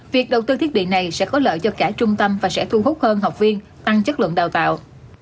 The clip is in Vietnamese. việc đầu tư thiết bị này sẽ có lợi cho cả trung tâm và sẽ thu hút hơn học viên tăng chất lượng đào tạo